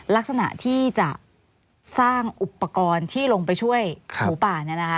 ลักษณะที่จะสร้างอุปกรณ์ที่ลงไปช่วยขู่ป่า